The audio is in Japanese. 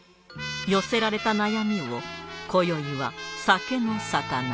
寄せられた悩みを今宵は酒の肴に